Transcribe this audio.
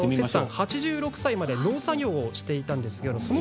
８６歳まで農作業をしていたセツさん。